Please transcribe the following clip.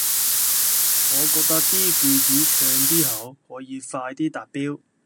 我覺得啲句子長啲好，可以快啲達標